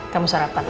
kamu sarapan ya